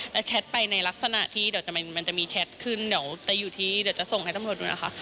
แล้วแชทไปในลักษณะที่เดี๋ยวมันจะมีแชทขึ้นเดี๋ยวจะอยู่ที่เดี๋ยวจะส่งให้ตำรวจดูนะคะ